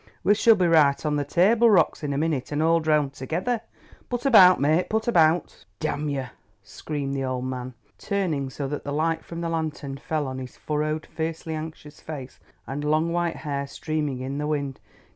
"We shall be right on to the Table Rocks in a minute and all drown together. Put about, mate—put about." "Damn yer," screamed the old man, turning so that the light from the lantern fell on his furrowed, fiercely anxious face and long white hair streaming in the wind.